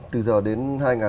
từ giờ đến hai nghìn ba mươi